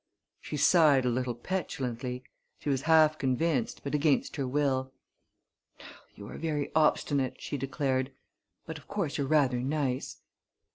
She sighed a little petulantly. She was half convinced, but against her will. "You are very obstinate," she declared; "but, of course, you're rather nice."